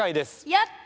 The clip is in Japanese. やった！